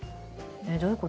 どういうこと？